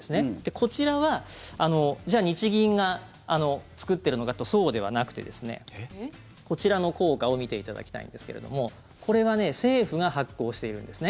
こちらは日銀が作ってるのかというとそうではなくてこちらの硬貨を見ていただきたいんですけれどもこれは政府が発行しているんですね。